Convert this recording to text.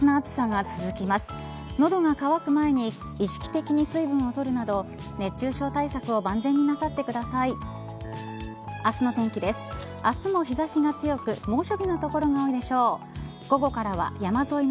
喉が渇く前に意識的に水分を取るなど熱中症対策を万全になさってください。